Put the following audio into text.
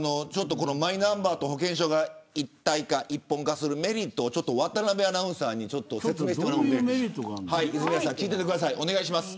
マイナンバーと保険証が一体化、一本化するメリットをちょっと渡邊アナウンサーに説明してもらいます。